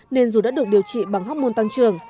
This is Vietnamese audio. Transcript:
nên dù đã được điều trị bằng hóc môn tăng trường